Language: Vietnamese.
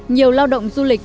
nhiều lao động du lịch